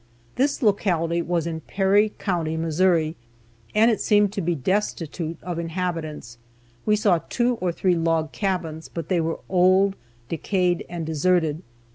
This locality was in Perry County, Missouri, and it seemed to be destitute of inhabitants; we saw two or three log cabins, but they were old, decayed, and deserted.